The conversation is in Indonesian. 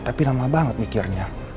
tapi lama banget mikirnya